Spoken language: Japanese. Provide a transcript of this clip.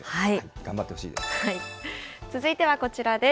頑張ってほしいです。